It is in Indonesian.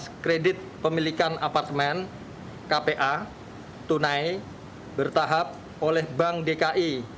proses kredit pemilikan apartemen kpa tunai bertahap oleh bank dki